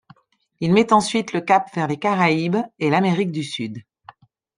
Il met ensuite le cap vers les Caraïbes et l'Amérique du Sud.